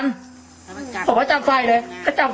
นี่เห็นจริงตอนนี้ต้องซื้อ๖วัน